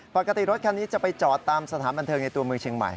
ปกติรถคันนี้จะไปจอดตามสถานบันเทิงในตัวเมืองเชียงใหม่